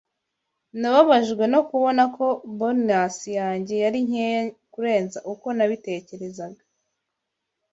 Nababajwe no kubona ko bonus yanjye yari nkeya kurenza uko nabitekerezaga.